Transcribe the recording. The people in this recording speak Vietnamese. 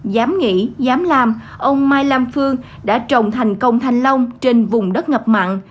dám nghĩ dám làm ông mai lam phương đã trồng thành công thanh long trên vùng đất ngập mặn